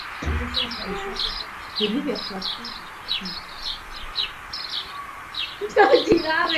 افغانستان کې د سیلابونه د پرمختګ هڅې روانې دي.